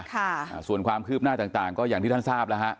ค่าะส่วนความคืบหน้าต่างก็อย่างที่ท่านทราบนะฮะ